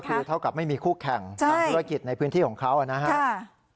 ก็คือเท่ากับไม่มีคู่แข่งใช่ธุรกิจในพื้นที่ของเขาอะนะฮะค่ะ